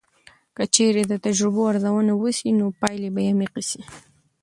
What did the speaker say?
که چیرې د تجربو ارزونه وسي، نو پایلې به عمیقې سي.